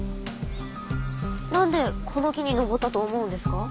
なんでこの木に登ったと思うんですか？